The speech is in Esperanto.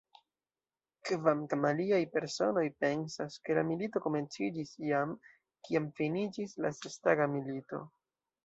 Kvankam aliaj personoj pensas, ke la milito komenciĝis jam, kiam finiĝis la Sestaga Milito.